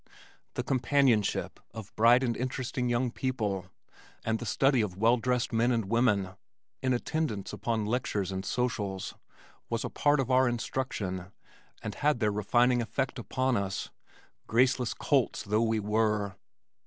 The companionship of bright and interesting young people, and the study of well dressed men and women in attendance upon lectures and socials was a part of our instruction and had their refining effect upon us, graceless colts though we were.